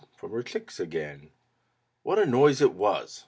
from her chicks again. What a noise it was!